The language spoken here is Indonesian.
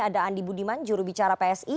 ada andi budiman jurubicara psi